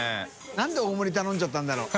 覆鵑大盛り頼んじゃったんだろう？